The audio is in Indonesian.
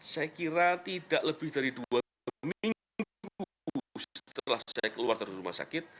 saya kira tidak lebih dari dua minggu setelah saya keluar dari rumah sakit